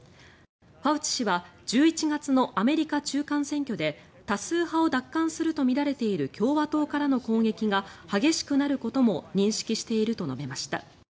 ファウチ氏は１１月のアメリカ中間選挙で多数派を奪還するとみられている共和党からの攻撃が激しくなることも認識していると述べました。